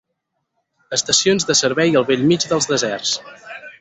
Estacions de servei al bell mig dels deserts.